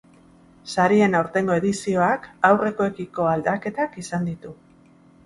Sarien aurtengo edizioak aurrekoekiko aldaketak izan ditu.